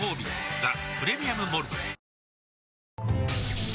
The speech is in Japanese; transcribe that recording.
「ザ・プレミアム・モルツ」